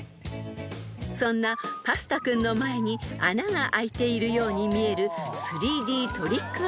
［そんなパスタ君の前に穴が開いているように見える３Ｄトリック